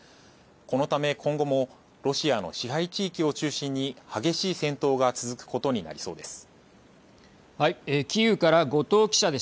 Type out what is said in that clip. このため、今後もロシアの支配地域を中心に激しい戦闘が続くことになりそうです。